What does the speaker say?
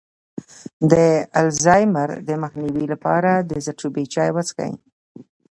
د الزایمر د مخنیوي لپاره د زردچوبې چای وڅښئ